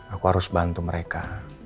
aku harus bantu mereka